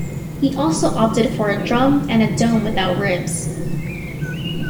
He also opted for a drum and a dome without ribs.